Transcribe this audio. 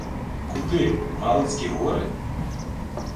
— Куди? В Галицькі гори?